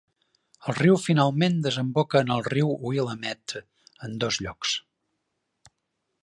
El riu finalment desemboca en el riu Willamette en dos llocs.